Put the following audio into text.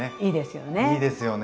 いいですよね！